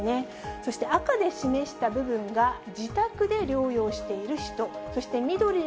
そして、赤で示した部分が、自宅で療養している人、そして緑で。